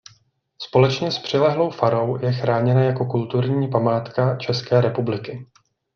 Společně s přilehlou farou je chráněna jako kulturní památka České republiky.